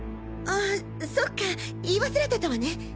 あそっか言い忘れてたわね。